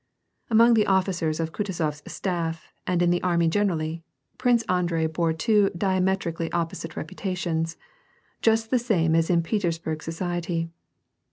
Among the officers of Kutuzof's staff and in the army generaUy, Prince Andrei bore two diametrically opposite reputations, just the same as in Petersburg society.